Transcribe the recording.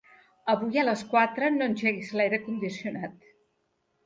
Avui a les quatre no engeguis l'aire condicionat.